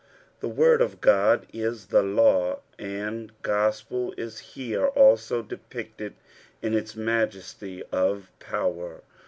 TV word of Ood In the law and gospel is here also depicted in Ha majesty of power.